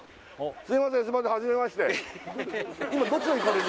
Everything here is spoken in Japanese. すいません